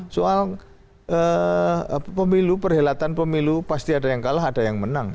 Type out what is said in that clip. soal pemilu perhelatan pemilu pasti ada yang kalah ada yang menang